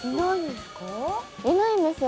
いないんですか？